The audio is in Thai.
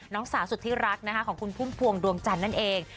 น้องสาวสุดที่รักนะคะของคุณพุ่มพวงดวงจันทร์นั่นเอง